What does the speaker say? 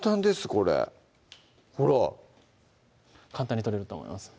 これほら簡単に取れると思います